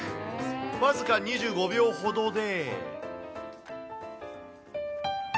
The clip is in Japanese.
僅か２５秒ほどで。